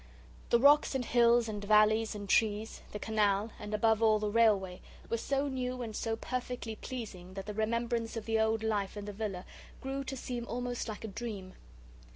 The rocks and hills and valleys and trees, the canal, and above all, the railway, were so new and so perfectly pleasing that the remembrance of the old life in the villa grew to seem almost like a dream.